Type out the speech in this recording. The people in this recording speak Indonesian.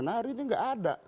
hari ini gak ada